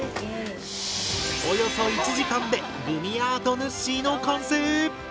およそ１時間でグミアートぬっしーの完成！